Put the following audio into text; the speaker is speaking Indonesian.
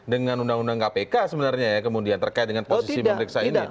dengan undang undang kpk sebenarnya ya kemudian terkait dengan posisi memeriksa ini